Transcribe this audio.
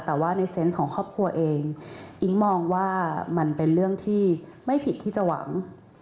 แต่ว่าในเซนต์ของครอบครัวเองอิ๊งมองว่ามันเป็นเรื่องที่ไม่ผิดที่จะหวัง